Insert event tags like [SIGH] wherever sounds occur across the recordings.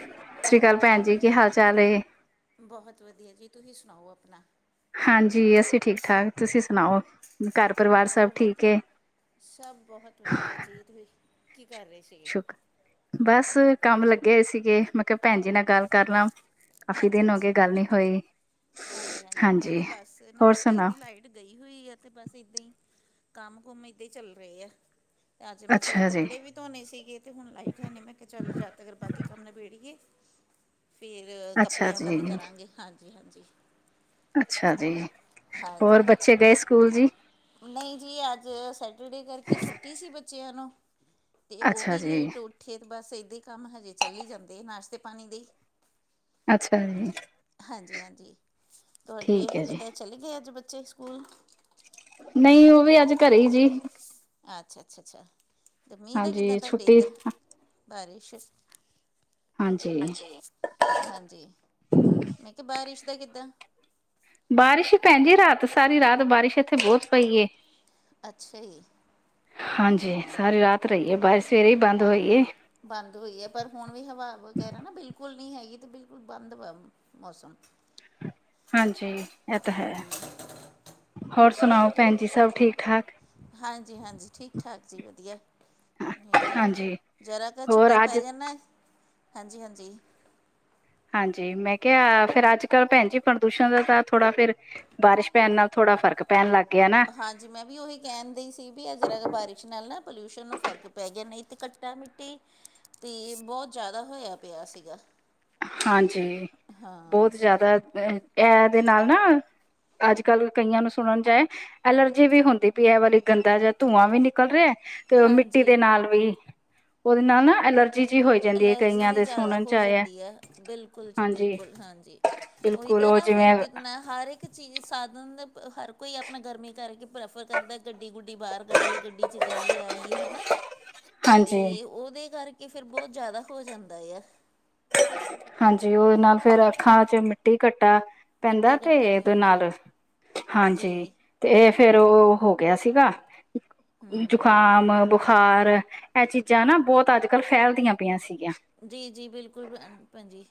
ਸਤਿ ਸ਼੍ਰੀ ਅਕਾਲ ਭੈਣ ਜੀ ਕੀ ਹਾਲ ਚਾਲ ਏ? ਬਹੁਤ ਵਧੀਆ ਜੀ। ਤੁਸੀਂ ਸੁਣਾਓ ਆਪਣਾ ਹਾਂਜੀ। ਅਸੀਂ ਠੀਕ ਠਾਕ ਤੁਸੀਂ ਸੁਣਾਓ? ਘਰ ਪਰਿਵਾਰ ਸਭ ਹੋਰ ਠੀਕ ਵਧੀ ਏ ਸਭ ਬਹੁਤ ਵਧੀਆ ਜੀ ਤੁਸੀਂ ਕੀ ਕਰ ਰਹੇ ਸੀਗੇ? ਸ਼ੁਕ ਬਸ ਕੰਮ ਲੱਗੇ ਹਏ ਸੀਗੇ ਮੈਂ ਕਿਹਾ ਭੈਣ ਜੀ ਨਾਲ ਗੱਲ ਕਰ ਲਾਂ। ਕਾਫੀ ਦਿਨ ਹੋ ਅੱਛਾ-ਅੱਛਾ। ਗਏ ਗੱਲ ਨੀ ਹੋਈ ਹਾਂਜੀ-ਹਾਂਜੀ, ਮੈਂ ਹਾਂਜੀ ਵੀ ਬੱਸ ਨਾ ਹੋਰ ਸਵੇਰ ਸੁਣਾਓ ਦੀ ਲਾਈਟ ਗਈ ਹੋਈ ਆ ਤੇ ਬਸ ਏਦਾਂ ਹੀ ਕੰਮ-ਕੁਮ ਏਦਾਂ ਹੀ ਚੱਲ ਰਹੇ ਆ। ਅੱਜ ਮੈਂ ਸੋ ਅੱਛਾ ਜੀ ਕੱਪੜੇ ਵੀ ਧੋਣੇ ਸੀਗੇ ਤੇ ਹੁਣ ਲਾਈਟ ਹੈ ਨਹੀਂ ਮੈਂ ਕਿਹਾ ਚੱਲ ਜਦ ਤਗ ਬਾਕੀ ਕੰਮ ਨਾਲ ਬੀੜੀਏ ਫੇਿਰ ਅੱਛਾ ਕੱਪੜਿਆਂ ਦਾ ਵੀ ਜੀ ਕਰਾਂਗੇ ਹਾਂਜੀ ਹਾਂਜੀ। ਅੱਛਾ ਜੀ, ਹੋਰ ਹਾਂਜੀ ਬੱਚੇ ਗਏ ਸਕੂਲ ਜੀ? ਨਹੀਂ ਜੀ ਅੱਜ ਸੈਟਰਡੇ ਕਰਕੇ ਛੁੱ ਟੀ ਸੀ ਬੱਚਿਆਂ ਨੂੰ ਅਤੇ ਉਹ ਅੱਛਾ ਵੀ ਜੀ ਲੇਟ ਉ ਏਥੇ ਤੇ ਬਸ ਇੱਦਾਂ ਹੀ ਕੰਮ ਹਜੇ ਚੱਲਹੀ ਜਾਂਦੇ ਨਾਸ਼ਤੇ ਪਾਣੀ ਦੇ। ਅੱਛਾ ਜੀ ਹਾਂਜੀ ਹਾਂਜੀ, ਤੁਹਾਡੇ ਠੀਕ ਹੈ ਜੀ ਕਿਦਾਂ ਚਲੇ ਗਏ ਅੱਜ ਬੱਚੇ ਸਕੂਲ? ਨਹੀਂ ਉਹ ਵੀ ਅੱਜ ਘਰੇ ਜੀ। ਅੱਛਾ ਅੱਛਾ ਅੱਛਾ, ਤੇ ਮੀਂਹ ਦਾ ਕਿੱਦਾਂ ਹਾਂਜੀ ਤੁਹਾਡੇ ਛੁੱਟੀ ਇੱਧਰ? ਬਾਰਿਸ਼, ਹਾਂਜੀ। ਹਾਂਜੀ ਮੈਂ ਕਿਹਾ ਬਾਰਿਸ਼ ਦਾ ਕਿੱਦਾਂ? ਬਾਰਿਸ਼ ਭੈਣ ਜੀ ਰਾਤ ਸਾਰੀ ਰਾਤ ਬਾਰਿਸ਼ ਇੱਥੇ ਬਹੁਤ ਪਈ ਏ। ਅੱਛਾ ਜੀ ਹਾਂਜੀ ਹਾਂ ਸਾਰੀ ਰਾਤ ਰਹੀਏ ਬਰ ਸਵੇਰੇ ਹੀ ਬੰਦ ਆ ਹੋਈ ਏ। ਬੰਦ ਹੋਈ ਹੈ, ਪਰ ਹੁਣ ਵੀ ਹਵਾ ਵਗੈਰਾ ਨਾ ਬਿਲਕੁਲ ਨੀ ਹੈਗੀ ਤੇ ਬਿਲਕੁਲ ਬੰਦ ਵਾ। ਮੌਸਮ ਹਾਂਜੀ ਇਹ ਤਾਂ ਹੈ, ਹੋਰ ਸੁਣਾਓ ਭੈਣ ਜੀ ਸਭ ਠੀਕ ਠਾਕ। ਹਾਂਜੀ ਹਾਂਜੀ ਠੀਕ ਠਾਕ ਜੀ ਵਧੀਆ। ਹਾਂਜੀ ਜ਼ਰਾ ਕ ਹੋਰ ਛਿੱਟਾ ਅੱਜ ਪੈ ਜਾਣ ਨਾ ਹਾਂਜੀ ਹਾਂਜੀ ਹਾਂਜੀ ਮੈਂ ਕਿਹਾ ਫੇਿਰ ਅੱਜ-ਕੱਲ ਭੈਣ ਜੀ ਪ੍ਰਦੂਸ਼ਣ ਦਾ ਤਾਂ ਥੋੜ੍ਹਾ ਫੇਿਰ। ਬਾਰਿਸ਼ ਪੈਣ ਨਾਲ ਥੋੜਾ ਫਰਕ ਪੈਣ ਲੱਗ ਗਿਆ ਨਾ। ਹਾਂਜੀ ਹਾਂਜੀ। ਮੈਂ ਵੀ ਉਹੀ ਕਹਿਣ ਦ ਹੀ ਸੀ ਵੀ ਅਗਰ ਅਗ ਬਾਰਿਸ਼ ਨਾਲ ਨਾ ਪੋਲਿਊਸ਼ਨ ਨੂੰ ਫ਼ਰਕ ਪੈ ਗਿਆ ਨਹੀਂ ਤਾਂ ਕੱਟਾ ਮਿੱ ਤੇ ਬਹੁਤ ਜ਼ਿਆਦਾ ਹੋਇਆ ਪਿਆ ਸੀਗਾ ਹਾਂਜੀ ਹਾਂ ਬਹੁਤ ਜ਼ਿਆਦਾ ਅ ਇਹ ਦੇ ਨਾਲ ਨਾ ਅੱਜ ਕੱਲ੍ਹ ਕਈਆਂ ਨੂੰ ਸੁਣਨ ਛ ਆਇਆ ਐਲਰਜੀ ਵੀ ਹੁੰਦੀ ਪਈ ਏ ਵਾਲੀ ਗੰਦਾ ਜਯਾ ਧੂੰਆਂ ਵੀ ਨਿਕਲ ਰਿਹਾ। ਤੇ ਓ ਮਿੱਟੀ ਦੇ ਹਾਂਜੀ ਨਾਲ ਵੀ ਉਹਦੇ ਨਾਲ ਨਾ ਐਲਰਜੀ ਜੀ ਜੀ ਹੋਈ ਜਾਂਦੀ ਹੈ ਐਲਰਜੀ ਕਈਆਂ ਜੀ ਦੇ ਜ਼ਿਆਦਾ ਸੁਣਨ ਚ ਹੋ ਆਇਆ। ਜਾਂਦੀ ਹੈ ਬਿਲਕੁਲ ਜੀ ਹਾਂਜੀ ਬਿਲਕੁਲ ਹਾਂਜੀ ਬਿਲਕੁਲ ਉਦਾਂ ਉਹ ਨਾ ਫੇਰ ਜਿਵੇਂ ਗਿੱਤਨਾ ਹਰ ਇੱਕ ਚੀਜ਼ ਸਾਧਨ ਹਰ ਕੋਈ ਆਪਣਾ ਗਰਮੀ ਕਰਕੇ ਪ੍ਰੈਫਰ ਕਰਦਾ ਗੱਡੀ ਗੁੱਡੀ ਬਾਹਰ ਕੱਢਿਏ ਗੱਡੀ ਜਾਈਏ ਆਈਏ ਹਨਾ ਹਾਂਜੀ ਤੇ ਉਹਦੇ ਕਰਕੇ ਫਿਰ ਬਹੁਤ ਜ਼ਿਆਦਾ ਹੋ ਜਾਂਦਾ ਆ। ਹਾਂਜੀ ਉਹ ਨਾ ਫੇਰ ਅੱਖਾਂ ਚ ਮਿੱਟੀ ਕੱਟਾ ਪੈਂਦਾ ਮਿੱਟੀ ਤੇ ਘੱਟਾ ਵੀ ਇਹਦੇ ਹੁੰਦਾ ਨਾਲ ਹਾਂਜੀ ਜੀ ਤੇ ਫੇਰ ਉਹ ਹੋ ਗਿਆ ਸੀਗਾ ਜੁਕਾਮ ਬੁਖਾਰ ਇਹ ਚੀਜ਼ਾਂ ਨਾ ਬਹੁਤ ਅੱਜ ਕੱਲ੍ਹ ਫੈਲਦੀਆਂ ਪਈਆਂ ਸੀਗੀਆਂ। ਜੀ ਜੀ ਬਿਲਕੁਲ ਭਜੀ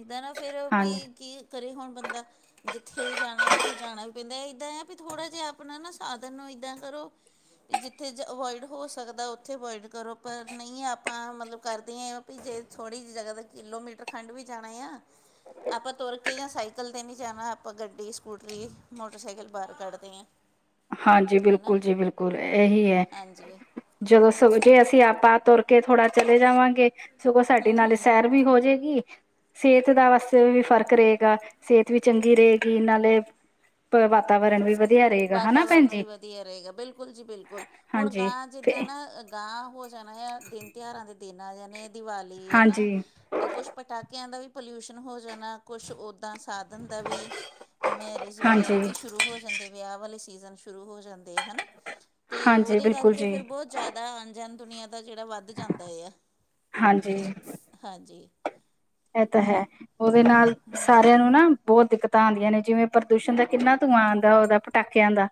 ਇੱਦਾਂ ਨਾ ਫਿਰ ਹਾਂਜੀ ਵੀ ਕੀ ਕਰੇ ਹੋੁਣ ਬੰਦਾ ਜਿੱਥੇ ਜਾਣਾ ਉੱਥੇ ਜਾਣਾ ਵੀ ਪੈਂਦਾ ਇਏਦਾਂ ਆ ਵੀ ਥੋੜ੍ਹਾ ਜਿਹਾ ਆਪਣਾ ਨਾ ਸਾਧਨ ਨੂੰ ਏਦਾਂ ਕਰੋ ਜਿੱਥੇ ਜ ਅਵੋਇਡ ਹੋ ਸਕਦਾ ਉੱਥੇ ਅਵੋਇਡ ਕਰੋ ਪਰ ਨਹੀ ਆਪਾਂ ਮਤਲਬ ਕਰਦੇ ਆ ਜੇ ਥੋੜੀ ਜਿ ਜਗਾ ਕਿਲੋਮੀਟਰ ਖੰਡ ਵੀ ਜਾਣਾ ਆ ਆਪਾਂ ਤੁਰ ਕੇ ਜਾਂ ਸਾਈਕਲ ਤੇ ਨੀ ਜਾਣਾ ਆਪਾਂ ਗੱਡੀ, ਸਕੂਟਰੀ, ਮੋਟਰਸਾਈਕਲ ਬਾਹਰ ਕੱਢਦੇ ਆ। ਹਾਂਜੀ ਬਿਲਕੁਲ ਜੀ ਬਿਲਕੁਲ ਇਹੀ ਹੈ। ਹਾਂਜੀ ਜਦੋਂ ਸੁਵਜੇ ਅਸੀ ਆਪਾਂ ਤੁਰ ਕੇ ਥੋੜਾ ਚਲੇ ਜਾਵਾਂਗੇ। ਸਗੋਂ ਸਾਡੇ ਨਾਲੇ ਸੈਰ ਵੀ ਹੋਜੇਗੀ ਸਿਹਤ ਦਾ ਵਾਸਤੇ ਵੀ ਫ਼ਰਕ ਰਹੇਗਾ। ਸਿਹਤ ਵੀ ਚੰਗੀ ਰਹੇਗੀ ਨਾਲੇ ਵਾਤਾਵਰਨ ਵੀ ਵਧੀਆ ਰਹੇ ਵਾਤਾਵਰਨ ਵੀ ਵਧੀਆ ਰਹੇਗਾ ਬਿਲਕੁਲ ਜੀ ਬਿਲਕੁਲ। ਹੁਣ ਹਾਂਜੀ ਗਾਂ ਤੇ ਜਿੱਦਾਂ ਨਾ ਗਾਂਹ ਹੋ ਜਾਣਾ ਆ ਦਿਨ ਤਿਉਹਾਰਾਂ ਦੇ ਦਿਨ ਆ ਜਾਣੇ ਦੀਵਾਲੀ ਹੈ ਹਾਂਜੀ, ਨਾ ਤੇ ਕੁਛ ਪਟਾਕਿਆਂ ਦਾ ਵੀ ਪੋਲਿਊਸ਼ਨ ਹੋ ਜਾਣਾ ਕੁਛ ਉੱਦਾਂ ਸਾਧਨ ਦਾ ਵੀ ਮੈਂ ਹਾਂਜੀ, ਵਗੈਰਾ ਵੀ ਸ਼ੁਰੂ ਹੋ ਜਾਂਦੇ ਵਿਆਹ ਵਾਲੇ ਸੀਜ਼ਨ ਸ਼ੁਰੂ ਹੋ ਜਾਂਦੇ, ਹਨਾ। ਤੇ ਹਾਂਜੀ ਉਹਦੇ ਬਿਲਕੁਲ ਕਰਕੇ ਜੀ ਫਿਰ ਬਹੁਤ ਜ਼ਿਆਦਾ ਆਣ- ਜਾਣ ਦੁਨੀਆਂ ਦਾ ਜਿਹੜਾ ਵੱਧ ਜਾਂਦਾ ਆ। ਹਾਂਜੀ ਹਾਂਜੀ ਇਹ ਤਾਂ ਹੈ। ਉਹਦੇ ਨਾਲ ਸਾਰਿਆਂ ਨੂੰ ਨਾ ਬਹੁੱਤ ਦਿੱਕਤਾਂ ਆਉਂਦੀਆਂ ਨੇ ਜਿਵੇਂ ਪ੍ਰਦੂਸ਼ਣ ਦਾ ਕਿੰਨਾ ਧੂੰਆਂ ਆਉਂਦਾ ਉਹਦਾ ਪਟਾਕਿਆਂ ਦਾ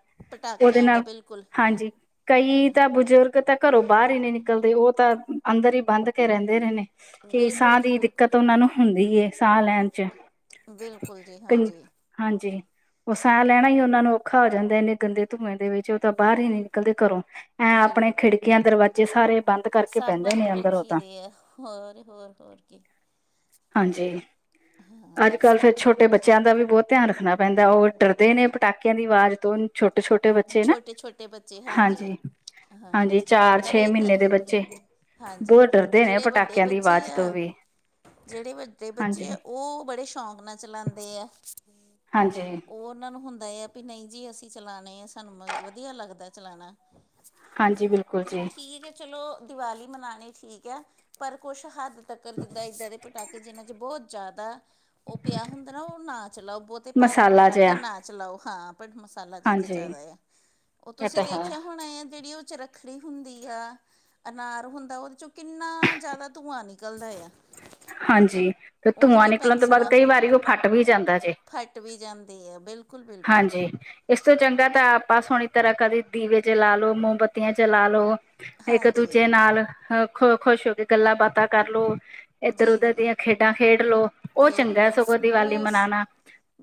ਉਹਦੇ ਪਟਾਕਿਆਂ ਦਾ ਨਾਲ, ਬਿਲਕੁਲ ਹਾਂਜੀ ਕਈ ਤਾਂ ਬਜ਼ੁਰਗ ਤਾਂ ਘਰੋਂ ਬਾਹਰ ਹੀ ਨਹੀਂ ਨਿਕਲਦੇ ਉਹ ਤਾਂ ਅੰਦਰ ਹੀ ਬੰਦ ਕੇ ਰਹਿੰਦੇ ਰਹੇ ਨੇ। ਕਿ ਬਿਲਕੁੱਲ ਸਾਹ ਜੀ ਦੀ ਬਿਲਕੁੱਲ ਦਿੱਕਤ ਉਹਨਾਂ ਨੂੰ ਹੁੰਦੀ ਐ ਸਾਹ ਲੈਣ ਚ ਬਿਲਕੁਲ ਜੀ ਕਈ ਹਾਂਜੀ ਹਾਂਜੀ, ਉਹ ਸਾਹ ਲੈਣਾ ਹੀ ਉਹਨਾਂ ਨੂੰ ਔਖਾ ਹੋ ਜਾਂਦਾ ਇੰਨੇ ਗੰਦੇ ਧੂੰਏ ਦੇ ਵਿੱਚ ਤਾਂ ਬਾਹਰ ਹੀ ਨੀ ਨਿਕਲਦੇ ਘਰੋਂ। ਐਂ ਆਪਣੇ ਬਿਲਕੁਲ ਖਿੜਕੀਆਂ, ਦਰਵਾਜ਼ੇ ਜੇ ਸਾਰੇ ਬੰਦ ਕਰਕੇ ਸਭ ਪੈਂਦੇ ਬੰਦ ਨੇ ਅੰਦਰ ਉਹ ਰੱਖੀ ਤਾਂ ਦੇ ਆ ਹੋਰ -ਹੋਰ- ਹੋਰ ਕੀ ਹਾਂਜੀ, ਅੱਜ- ਹਾਂਜੀ ਕੱਲ੍ਹ ਫਿਰ ਛੋਟੇ ਛੋਟੇ ਬੱਚਿਆਂ ਦਾ ਵੀ ਬਹੁੱਤ ਧਿਆਨ ਰੱਖਣਾ ਪੈਂਦਾ ਹੈ। ਉਹ ਡਰਦੇ ਨੇ ਪਟਾਕਿਆਂ ਦੀ ਆਵਾਜ਼ ਤੋਂ ਛੋਟੇ -ਛੋਟੇ ਬੱਚੇ ਨਾ, ਛੋਟੇ ਛੋਟੇ ਬੱਚੇ ਹਾਂਜੀ। ਹਾਂ ਹਾਂਜੀ, ਚਾਰ- ਪਰ ਛੇ ਇੱਦਾਂ ਮਹੀਨੇ ਦੇ ਬੱਚੇ। ਹਾਂਜੀ ਬਹੁੱਤ ਅਤੇ ਡਰਦੇ ਨੇ ਜਿਹੜੇ ਵੱਡੇ ਪਟਾਕਿਆਂ ਦੀ ਬੱਚੇ ਆਵਾਜ਼ ਆ ਤੋਂ ਵੀ। ਜਿਹੜੇ ਵੱਡੇ ਬੱਚੇ ਹਾਂਜੀ ਆ ਉਹ ਬੜੇ ਸ਼ੌਕ ਨਾਲ ਚਲਾਉਂਦੇ ਆ। ਹਾਂਜੀ ਉਹ ਉਹਨਾਂ ਨੂੰ ਹੁੰਦਾ ਆ ਵੀ ਨਹੀਂ ਜੀ ਅਸੀਂ ਚਲਾਣੇ ਆ ਸਾਨੂੰ ਵਧੀਆ ਲੱਗਦਾ ਚਲਾਣਾ। ਹਾਂਜੀ ਬਿਲਕੁਲ ਨੀ ਜੀ ਠੀਕ ਹੈ ਚਲੋ ਦੀਵਾਲੀ ਮਨਾਣੀ ਠੀਕ ਹੈ। ਪਰ ਕੁੱਛ ਹੱਦ ਤੱਕਰ ਜਿੱਦਾਂ ਇੱਦਾਂ ਦੇ ਪਟਾਕੇ ਜਿਨਨਾਂ ਚ ਬਹੁਤ ਜ਼ਿਆਦਾ ਉਹ ਪਿਆ ਹੁੰਦਾ ਨਾ ਉਹ ਨਾ ਚਲਾਓ ਬਹੁਤੇ ਭਾਰੇ ਮਸਾਲਾ ਪਟਾਕੇ ਜਿਹਾ ਨਾ ਚਲਾਓ ਹਾਂ ਬਟ ਮਸਾਲਾ ਜੀਛ ਚ ਹਾਂਜੀ ਜ਼ਿਆਦਾ ਆ। ਉਹ ਇਹ ਤੁਸੀ ਤਾਂ ਹੈ ਦੇਖਿਆ ਹੋਣਾ ਆ ਜਿਹੜੀ ਉਹ ਚ ਚੱਰਖੜੀ ਹੁੰਦੀ ਆ, ਅਨਾਰ ਹੁੰਦਾ ਉਹਦੇ ਚੋਂ ਕਿੰਨਾ ਜ਼ਿਆਦਾ ਧੂੰਆਂ ਨਿਕਲਦਾ ਆ। ਹਾਂਜੀ, ਤੇ ਉਹ ਧੂੰਆਂ ਜਿਹੜੀਆਂ ਨਿਕਲਣ ਤੋਂ ਬਾਅਦ ਕਈ ਵਾਰੀ ਉਹ ਫੱਟ ਵੀ ਜਾਂਦਾ ਜੇ। ਫੱਟ ਵੀ ਜਾਂਦੀ ਆ, ਬਿਲਕੁੱਲ -ਬਿਲਕੁੱਲ ਹਾਂਜੀ ਇਸ ਤੋਂ ਚੰਗਾ ਤਾਂ ਆਪਾਂ ਸੋਹਣੀ ਤਰ੍ਹਾਂ ਕਦੇ ਦੀਵੇ ਚਲਾ ਲੋ, ਮੋਮਬੱਤੀਆਂ ਚਲਾ ਲੋ। ਇੱਕ ਹਾਂਜੀ -ਦੂਜੇ ਨਾਲ ਖੁਸ਼ ਹੋ ਕੇ ਗੱਲਾਂ -ਬਾਤਾਂ ਕਰਲੋ। ਇੱਧਰ- ਜੀ ਉੱਧਰ ਜੀ ਦੀਆਂ ਖੇਡਾਂ ਖੇਡ ਲੋ, ਉਹ ਖੇਡ ਚੰਗਾ ਲਓ ਸਗੋਂ ਦੀਵਾਲੀ ਉਸ ਮਨਾਉਣਾ।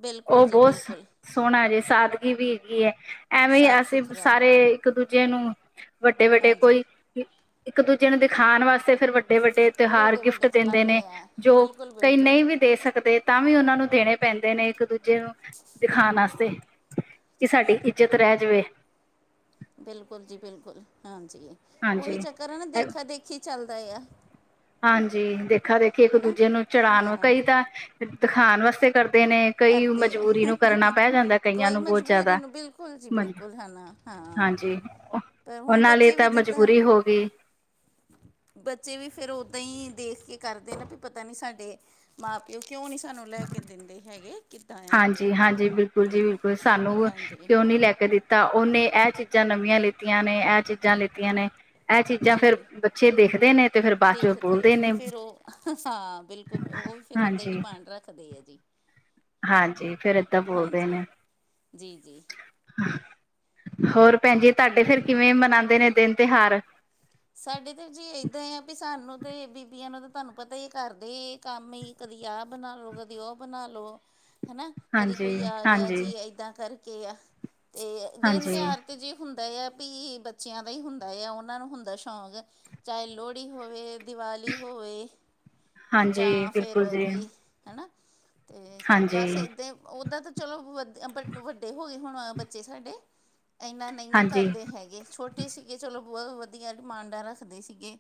ਬਿਲਕੁਲ ਉਹ ਜੀ ਬਹੁਤ ਬਿਲਕੁਲ ਸੋਹਣਾ ਜੇ ਸਾਦਗੀ ਵੀ ਹੈਗੀ ਹੈ ਐਵੇਂ ਸਾਫ ਅਸੀਂ ਸੁਥਰਾ ਸਾਰੇ ਇੱਕ -ਦੂਜੇ ਨੂੰ ਵੱਡੇ- ਵੱਡੇ ਹਾਂਜੀ ਕੋਈ ਇੱਕ- ਦੂਜੇ ਨੂੰ ਦਿਖਾਉਣ ਵਾਸਤੇ ਫਿਰ ਵੱਡੇ -ਵੱਡੇ ਤਿਉਹਾਰ ਵੱਡੇ ਗਿਫ਼ਟ ਵੱਡੇ ਦਿੰਦੇ ਚਲਾਨੇ ਨੇ, ਆ ਜੋ ਬਿਲਕੁਲ ਕਈ ਬਿਲਕੁਲ ਨਹੀਂ ਵੀ ਵੀ ਦੇ ਸਕਦੇ ਤਾਂ ਵੀ ਉਹਨਾਂ ਨੂੰ ਦੇਣੇ ਪੈਂਦੇ ਨੇ ਇੱਕ- ਦੂਜੇ ਨੂੰ ਦਿਖਾਉਣ ਵਾਸਤੇ। ਕਿ ਸਾਡੀ ਇੱਜ਼ਤ ਰਹਿ ਜਾਵੇ। ਬਿਲਕੁੱਲ ਜੀ -ਬਿਲਕੁੱਲ ਹਾਂਜੀ, ਉਹੀ ਹਾਂਜੀ ਚੱਕਰ ਹੈ ਨਾ ਦੇਖਾ- ਦੇਖੀ ਚੱਲਦਾ ਆ। ਹਾਂਜੀ, ਦੇਖਾ -ਦੇਖੀ ਇੱਕ- ਹਨਾ ਦੂਜੇ ਨੂੰ ਚੜ੍ਹਾ ਨੂੰ ਹਾਂ ਕਈ ਤਾਂ ਦਿਖਾਉਣ ਵਾਸਤੇ ਕਰ ਦੇਨੇ ਕਈ ਕਰਦੇ ਆ ਮਜ਼ਬੂਰੀ ਨੂੰ ਕਰਨਾ ਪੈ ਜਾਂਦਾ ਕਈਆਂ ਕੋਈ ਨੂੰ ਬਹੁਤ ਜ਼ਿਆਦਾ ਮਜਬੂਰੀ ਨੂੰ ਬਿਲਕੁਲ ਜੀ ਬਿਲਕੁਲ ਹੈ ਨਾ ਹਾਂ ਹਾਂਜੀ, ਪਰ ਹੁਣ ਉਹਨਾਂ ਲਈ ਬੱਚੇ ਵੀ ਤਾਂ ਜਿੱਦਾਂ ਮਜ਼ਬੂਰੀ ਹੋ ਗਈ। ਬੱਚੇ ਵੀ ਫਿਰ ਓਦਾਂ ਹੀ ਦੇਖ ਕੇ ਕਰਦੇ ਨੇ ਵੀ ਪਤਾ ਨੀ ਸਾਡੇ ਮਾਂ- ਪਿਓ ਕਿਉਂਕਿ ਉਹ ਨਹੀਂ ਸਾਨੂੰ ਲੈ ਕੇ ਦਿੰਦੇ ਹੈਗੇ। ਕਿੱਦਾਂ ਆ ਹਾਂਜੀ -ਹਾਂਜੀ, ਬਿਲਕੁੱਲ ਜੀ ਬਿਲਕੁੱਲ ਸਾਨੂੰ ਹਾਂਜੀ ਕਿਉਂ ਨੀ ਲੈ ਕੇ ਦਿੱਤਾ। ਉਹਨੇ ਇਹ ਚੀ ਚੀਜ਼ਾਂ ਨਵੀਆਂ ਲਿੱਤੀਆਂ ਨੇ, ਇਹ ਚੀਜ਼ਾਂ ਲਿੱਤੀਆਂ ਨੇ। ਇਹ ਚੀਜ਼ਾਂ ਫਿਰ ਜੀ ਬੱਚੇ ਦੇਖਦੇ ਨੇ ਤੇ ਫੇਰ ਬਾਅਦ ਚੋਂ ਦੇਖਦੇ, ਬੋਲਦੇ ਨੇ ਫਿਰ ਉਹ ਹਾਂ, ਬਿਲਕੁੱਲ ਉਹ ਫਿਰ ਉਦਾਂ ਹੀ ਹਾਂਜੀ ਡਿਮਾਂਡ ਰੱਖਦੇ ਆ ਜੀ। [UNINTELLIGIBLE] ਹਾਂਜੀ, ਫਿਰ ਏਦਾਂ ਬੋਲਦੇ ਹਾਂਜੀ ਨੇ। ਜੀ ਜੀ ਹੋਰ ਭੈਣਜੀ ਤੁਹਾਡੇ ਫਿਰ ਕਿਵੇਂ ਮਨਾਉਂਦੇ ਨੇ ਦਿਨ- ਤਿਉਹਾਰ? ਸਾਡੇ ਤਾਂ ਜੀ ਇੱਦਾਂ ਆ, ਵੀ ਸਾਨੂੰ ਤੇ ਬੀਬੀਆਂ ਨੂੰ ਤਾਂ ਤੁਹਾਨੂੰ ਪਤਾ ਹੀ ਘਰ ਦੇ ਕੰਮ ਹੀ ਕਦੀ ਆਹ ਬਣਾ ਲਉ, ਕਦੀ ਉਹ ਬਣਾ ਲਉ। ਹਨਾ ਕਦੀ ਹਾਂਜੀ ਕੋਈ ਆ ਗਿਆ ਹਾਂਜੀ ਜੀ, ਇਦਾਂ ਕਰਕੇ ਆ ਤੇ ਦਿਨ ਹਾਂਜੀ ਤਿਉਹਾਰ ਤੇ ਜੇ ਹੁੰਦਾ ਆ ਵੀ ਬੱਚਿਆਂ ਦਾ ਹੀ ਹੁੰਦਾ ਆ, ਉਹਨਾਂ ਨੂੰ ਹੁੰ ਦਾ ਸ਼ੌਕ, ਚਾਹੇ ਲੋਹੜੀ ਹੋਵੇ ਦੀਵਾਲੀ ਹੋਵੇ। ਹਾਂਜੀ ਜਾਂ ਫਿਰ ਬਿਲਕੁਲ ਜੀ ਕੋਈ ਹੈਨਾ ਤੇ ਹਾਂਜੀ ਬਸ ਇੱਦਾਂ ਉੱਦਾਂ ਤਾਂ ਚਲੋ ਵੱ ਵੱ ਵੱਡੇ ਹੋ ਗਏ ਹੁਣ ਬੱਚੇ ਸਾਡੇ, ਇਨਾ ਨੀ ਹਾਂਜੀ ਕਰਦੇ ਹੈਗੇ ਛੋਟੇ ਛੋਟੇ ਸੀਗੇ ਚਲੋ ਬਹੁਤ ਵਧੀਆ ਡਿਮਾਂਡਾ ਰੱਖਦੇ ਸੀਗੇ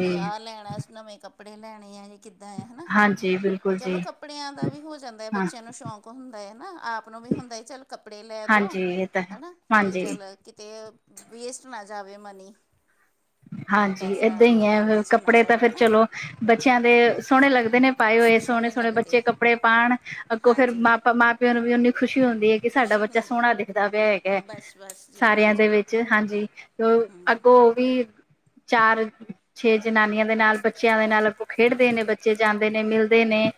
ਤੇ ਆਹ ਲੈਣਾ ਨਵੇਂ ਕੱਪੜੇ ਲੈਣੇ ਆ। ਕਿੱਦਾਂ ਆ ਹਨਾ, ਹਾਂਜੀ ਬਿਲਕੁਲ ਚਲੋ ਜੀ ਕੱਪੜਿਆਂ ਦਾ ਵੀ ਹੋ ਜਾਂਦਾ ਐ ਹਾਂ ਬੱਚਿਆਂ ਨੂੰ ਸ਼ੌਂਕ ਹੁੰਦਾ ਏ ਨਾ, ਆਪ ਨੂੰ ਵੀ ਹੁੰਦਾ ਚੱਲ ਕੱਪੜੇ ਲੈ ਦਉ ਹਾਂਜੀ ਇਹ ਤਾਂ ਹੈ। ਹਨਾ ਅਤੇ ਹਾਂਜੀ ਚੱਲ ਕਿਤੇ ਵੇਸਟ ਨਾ ਜਾਵੇ ਮਨੀ ਹਾਂਜੀ, ਪੈਸਾ ਏਦਾਂ ਇ ਆਪਣਾ ਐ, ਵੇਸਟ ਨਾ ਕੱਪੜੇ ਤਾਂ ਜਾਵੇ ਫੇਰ ਹੈਨਾ ਚਲੋ ਬੱਚਿਆਂ ਦੇ ਸੋਹਣੇ ਲੱਗਦੇ ਨੇ ਪਾਏ ਹੋਏ, ਸੋਹਣੇ ਸੋਹਣੇ-ਸੋਹਣੇ ਲੱਗਦੇ ਬੱਚੇ ਕੱਪੜੇ ਪਾਉਣ ਅੱਗੋਂ ਫੇਰ ਹਾਂਜੀ ਮ ਮਾਂ ਪਿਓ ਨੂੰ ਵੀ ਓਨੀ ਖੁਸ਼ੀ ਹੁੰਦੀ ਐ। ਕਿ ਸਾਡਾ ਖੁਸ਼ੀ ਬੱਚਾ ਹੁੰਦੀ ਸੋਹਣਾ ਦਿਖਦਾ ਪਿਆ ਹੈਗਾ, ਬਸ ਬਸ ਜੀ ਸਾਰਿਆਂ ਦੇ ਹਾਂਜੀ ਵਿੱਚ ਹਾਂਜੀ। ਅੱਗੋਂ ਉਹ ਵੀ ਚਾਰ-ਛੇ ਜਨਾਨੀਆਂ ਦੇ ਨਾਲ ਬੱਚਿਆਂ ਦੇ ਨਾਲ ਅੱਗੋਂ ਖੇਡਦੇ ਨੇ ਬੱਚੇ, ਜਾਂਦੇ ਨੇ, ਮਿਲ ਨੇ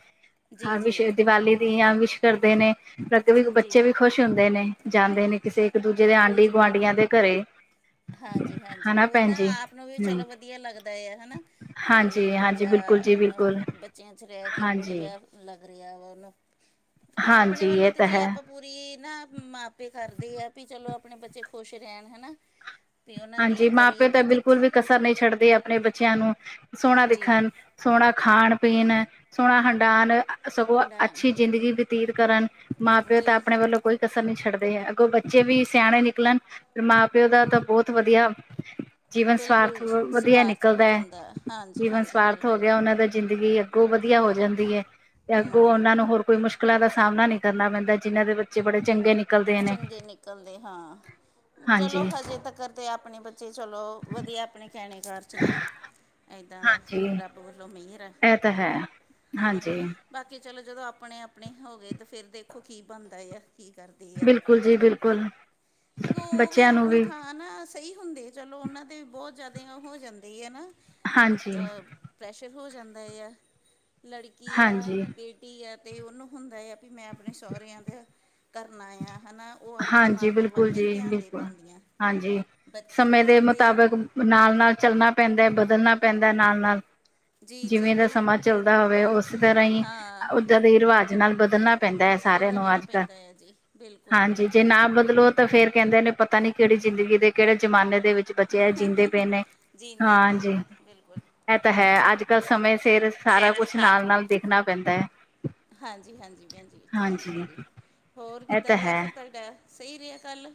ਜੀ ਵਿਸ਼ ਜੀ ਦੀਵਾਲੀ ਦੀ ਜਾਂ ਵਿਸ਼ ਕਰਦੇ ਨੇ ਅੱਗੇ ਵੀ ਬੱਚੇ ਵੀ ਖੁਸ਼ ਖੁਸ਼ ਹੁੰਦੇ ਨੇ ਜਾਂਦੇ ਨੇ ਕਿਸੇ ਇੱਕ ਦੂਜੇ ਦੇ ਬਿਲਕੁੱਲ ਆਂਢੀ ਜੀ ਗੁਆਂਢੀਆਂ ਬਿਲਕੁੱਲ। ਦੇ ਘਰੇ ਹਾਂਜੀ-ਹਾਂਜੀ, ਉਹੀ ਭੈਣ ਜੀ ਹਨਾ ਆਪ ਨੂੰ ਵੀ ਹਮ ਚਲੋ ਵਧੀਆ ਲੱਗਦਾ ਆ ਹੈਨਾ, ਤੇ ਹਾਂਜੀ, ਹਾਂਜੀ ਬੱਚਾ ਬਿਲਕੁਲ ਜੀ ਬਿਲਕੁਲ, ਅਹ ਬੱਚਿਆਂ ਚ ਰਹਿ ਕੇ ਹਾਂਜੀ। ਵਧੀਆ ਲੱਗ ਰਿਹਾ ਵਾ ਉਹਨੂੰ, ਆਪਣੇ ਹਾਂਜੀ ਵੱਲੋਂ ਇਹ ਤਾਂ ਜੀ ਹੈ, ਆਪ ਪੂਰੀ ਨਾ ਮਾਂਪੇ ਕਰਦੇ ਆ ਵੀ ਚਲੋ ਆਪਣੇ ਬੱਚੇ ਖੁਸ਼ ਰਹਿਣ ਹੈਨਾ। ਹਾਂਜੀ, ਮਾਂ ਪਿਓ ਤਾਂ ਬਿਲਕੁਲ ਵੀ ਕਸਰ ਨਹੀਂ ਛੱਡਦੇ ਆਪ ਆਪਣੇ ਬੱਚਿਆਂ ਨੂੰ ਸੋਹਣਾ ਜੀ ਦਿਖਣ, ਸੋਹਣਾ ਖਾਣ ਪੀਣ, ਸੋਹਣਾ ਹ ਹੰਡਾਨ, ਸਗੋਂ ਹੰਡਾਣ ਅੱਛੀ ਜ਼ਿੰਦਗੀ ਬਤੀਤ ਕਰਨ, ਮਾਂ ਪਿਓ ਤਾਂ ਜੀ ਆਪਣੇ ਵੱਲੋਂ ਕੋਈ ਕਸਰ ਨੀ ਛੱਡਦੇ ਏ, ਅੱਗੋਂ ਬੱਚੇ ਵੀ ਸਿਆਣੇ ਨਿਕਲਣ ਫੇਰ ਮਾਂ ਪਿਓ ਦਾ ਤਾਂ ਬਹੁਤ ਵਧੀਆ। ਜੀਵਨ ਬਿਲਕੁਲ ਸਵਾਰਥ ਜੀ ਵਧੀਆ ਸਵਾਰਥ ਹੋ ਨਿਕਲਦਾ ਐ, ਜਾਂਦਾ ਹਾਂਜੀ ਜੀਵਨ ਹਾਂਜੀ ਸਵਾਰਥ ਹੋ ਬਿਲਕੁਲ ਗਿਆ ਉਹਨਾਂ ਦਾ ਜ਼ਿੰਦਗੀ ਕੋ ਵਧੀਆ ਹੋ ਜਾਂਦੀ ਐ, ਅੱਗੋਂ ਹੂੰ ਉਹਨਾਂ ਨੂੰ ਹੋਰ ਕੋਈ ਮੁਸ਼ਕਿਲਾਂ ਦਾ ਸਾਹਮਣਾ ਨਈ ਕਰਨਾ ਪੈਂਦਾ, ਜਿਹਨਾਂ ਬ ਬੜੇ ਚੰਗੇ ਨੇ ਨਿਕਲਦੇ ਚੰਗੇ ਨਿਕਲਦੇ ਹਾਂ, ਚਲੋ ਹਾਂਜੀ, ਹਜੇ ਤੱਕ ਤੇ ਆਪਣੇ ਬੱਚੇ ਚਲੋ ਵਧੀਆ ਆਪਣੇ ਕਹਿਣੇ ਕਾਰ ਚ ਨੇ ਏਦਾਂ ਦਾ ਹਾਂਜੀ ਰੱਬ ਰੱਬ ਵੱਲੋਂ ਮਿਹਰ ਐ। ਇਹ ਤਾਂ ਹੈ ਹਾਂਜੀ। ਬਾਕੀ ਚਲੋ ਜਦੋਂ ਆਪਣੇ-ਆਪਣੇ ਹੋ ਗਏ ਤਾਂ ਫਿਰ ਦੇਖੋ ਕੀ ਬਣਦਾ ਆ, ਕੀ ਕਰਦਾ ਬਿਲਕੁਲ ਜੀ ਬਿਲਕੁਲ ਤੇ ਉਹ ਵੀ ਬੱਚਿਆਂ ਨੂੰ ਆਪਣੀ ਥਾਂ ਹਾਂ ਨਾ ਸਹੀ ਹੁੰਦੇ ਚਲੋ ਉਹਨਾਂ ਦੇ ਬਹੁਤ ਜ਼ਿਆਦੇ ਹੋ ਜਾਂਦੇ ਐ ਨ, ਹਾਂਜੀ, ਅਹ ਪ੍ਰੈਸ਼ਰ ਹੋ ਜਾਂਦਾ ਆ, ਲੜਕੀ ਆ ਹਾਂਜੀ, ਬੇਟੀ ਟੀ ਆ ਤੇ ਉਹਨੂੰ ਹੁੰਦਾ ਆ ਵੀ ਮੈਂ ਆਪਣੇ ਸਹੁਰਿਆਂ ਦਾ ਨਾਇ ਆ ਹਨ ਨਾ ਹਾਂਜੀ ਬਿਲਕੁਲ ਜੀ, ਬਿਲਕੁਲ ਹਾਂਜੀ, ਬੱਚੇ ਸਮੇਂ ਦੇ ਮੁੰਡੇ ਆ ਮੁਤਾਬਕ ਨਾਲ-ਨਾਲ ਚੱਲਣਾ ਪੈਂਦਾ ਐ, ਬਦਲਣਾ ਪੈਂਦਾ ਨਾਲ-ਨਾਲ। ਜੀ ਜੀ ਜਿਵੇਂ ਦਾ ਸਮਾਂ ਬਿਲਕੁਲ ਜੀ ਚੱਲਦਾ ਹੋਵੇ, ਉਸੇ ਤਰ੍ਹਾਂ ਹੀ ਹਾਂ ਉਦਾਂ ਦੇ ਰਿਵਾਜ ਨਾਲ ਬਦਲਣਾ ਪੈਂਦਾ ਐ, ਸਾਰਿਆਂ ਨੂੰ ਬਦਲਣਾ ਅੱਜ-ਕੱਲ੍ਹ ਪੈਂਦਾ ਜੀ ਬਿਲਕੁਲ। ਹਾਂਜੀ, ਜੇ ਬਿਲਕੁਲ ਨਾ ਬਦਲੋ ਤਾਂ ਫੇਰ ਕਹਿੰਦੇ ਨੇ ਪਤਾ ਨੀ ਕਿਹੜੀ ਜ਼ਿੰਦਗੀ ਦੇ, ਕਿਹੜੇ ਜ਼ਮਾਨੇ ਦੇ ਵਿੱਚ ਬੱਚੇ ਜੀਂਦੇ ਪਏ ਨੇ, ਜੀਂਦੇ ਹਾਂਜੀ ਪਏ ਆ ਬਿਲਕੁਲ ਇਹ ਤਾਂ ਹੈ ਅੱਜ-ਕੱਲ ਸਮੇ ਸਿਰ ਸਾਰਾ ਫਿਰ ਕੁਛ ਸਾਰ ਨਾਲ-ਨਾਲ ਦੇਖਣਾ ਪੈਂਦਾ ਏ, ਹਾਂਜੀ ਹਾਂਜੀ ਭੈਣ ਜੀ ਠੀਕ ਹੈ ਹਾਂਜੀ। ਜੀ ਹੋਰ ਇਹ ਕਿੱਦਾਂ ਤਾਂ ਰਿਹਾ ਹੈ ਫਿਰ ਤੁਹਾਡਾ, ਸਹੀ ਰਿਹਾ ਕੱਲ੍ਹ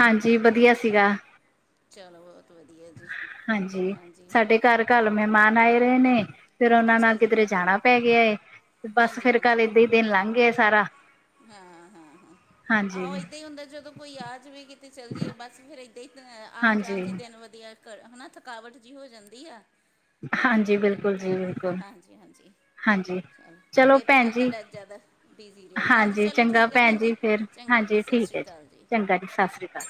ਹਾਂਜੀ ਵਧੀਆ ਸੀਗਾ ਚਲੋ ਬਹੁਤ ਵਧੀਆ ਜੀ, ਹਾਂਜੀ। ਘਰ ਕੱਲ ਮਹਿਮਾਨ ਆਏ ਰਹੇ ਨੇ ਫਿਰ ਉਹਨਾਂ ਅੱਛਾ ਨਾਲ ਜੀ ਕਿਧਰੇ ਜਾਣਾ ਪੈ ਗਿਆ ਏ ਬਸ ਹਾਂਜੀ ਫੇਰ ਕੱਲ ਹਾਂਜੀ ਏਦਾਂ ਹੀ ਦਿਨ ਲੰਘ ਗ ਗਿਆ ਸਾਰਾ। ਹਾਂ, ਹਾਂ, ਹਾਂ ਆਹੋ ਹਾਂਜੀ ਇੱਦਾਂ ਹੀ ਹੁੰਦੈ ਜਦੋਂ ਕੋਈ ਆ ਜਾਵੇ ਕਿਤੇ ਚੱਲੇ ਜਾਇਏ ਬਸ ਫਿਰ ਇ ਤੇ ਇਕ ਆਣ ਹਾਂਜੀ ਜਾਣ ਚ' ਦਿਨ ਵਧੀਆ ਘਰੋ ਨਾ ਥਕਾਵਟ ਜੀ ਹੋ ਜਾਂਦੀ ਆ ਹਾਂਜੀ, ਬਿਲਕੁਲ। ਤਾ ਜੀ ਬਿਲਕੁਲ ਹਾਂਜੀ, ਹਾਂਜੀ। ਹਾਂਜੀ ਚ ਚਲੋ ਫੇਰ ਤੇ ਭੈਣ ਕੱਲ ਜੀ ਤੁਹਾਡਾ ਜਿਆਦਾ ਬਿਜੀ ਰਿਹਾ। ਹਾਂਜੀ, ਚਲੋ ਚੰਗਾ ਠੀਕ ਐ ਭੈਣ ਜੀ। ਫਿਰ ਚੰਗਾ ਜੀ ਹਾਂਜੀ 'ਸਤਿ ਠੀਕ ਸ਼੍ਰੀ ਹੈ ਜੀ ਅਕਾਲ'ਜੀ। ਚੰਗਾ ਜੀ ਸਤਿ ਸ੍ਰੀ ਅਕਾਲ